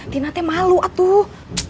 ternyata malu atuh